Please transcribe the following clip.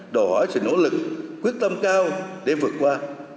đòi hỏi sự nỗ lực quyết tâm cao để vượt qua